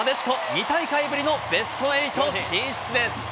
２大会ぶりのベスト８進出です。